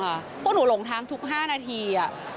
เพราะหนูหลงทางทุก๕นาที